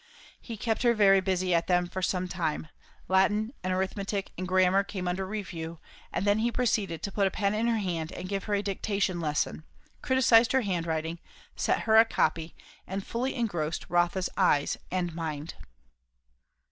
He kept her very busy at them for some time; Latin and arithmetic and grammar came under review; and then he proceeded to put a pen in her hand and give her a dictation lesson; criticised her handwriting, set her a copy, and fully engrossed Rotha's eyes and mind.